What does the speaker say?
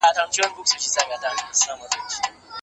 پرمختګ د کار په واسطه رامنځته کیږي.